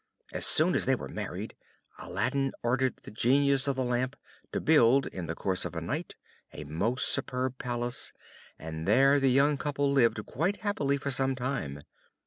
As soon as they were married, Aladdin ordered the Genius of the Lamp to build, in the course of a night, a most superb Palace, and there the young couple lived quite happily for some time.